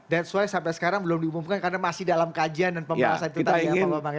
that's why sampai sekarang belum diumumkan karena masih dalam kajian dan pembahasan itu tadi ya pak bambang ya